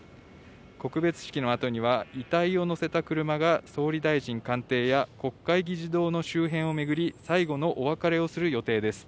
告別式のあとには、遺体を乗せた車が総理大臣官邸や国会議事堂の周辺を巡り、最後のお別れをする予定です。